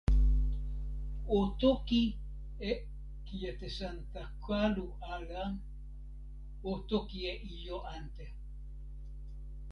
o toki e kijetesantakalu ala. o toki e ijo ante.